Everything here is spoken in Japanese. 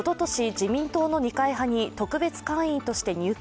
自民党の二階派に特別会員として入会。